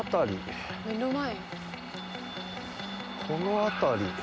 この辺り。